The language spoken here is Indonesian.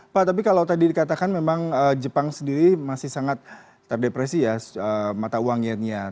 pak tapi kalau tadi dikatakan memang jepang sendiri masih sangat terdepresi ya mata uang yernia